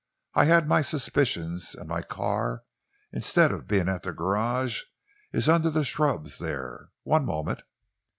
I had my suspicions, and my car, instead of being at the garage, is under the shrubs there. One moment.'